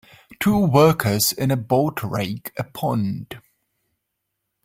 Two workers in a boat rake a pond